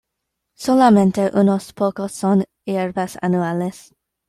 Solamente unos pocos son hierbas anuales.